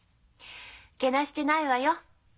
けなしてないわよ。